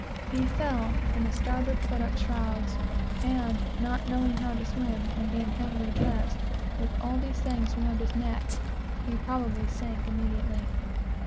He fell from the starboard futtock shrouds, and not knowing how to swim, and being heavily dressed, with all those things round his neck, he probably sank immediately.